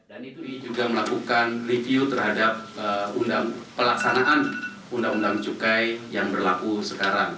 dan ini juga melakukan review terhadap pelaksanaan undang undang cukai yang berlaku sekarang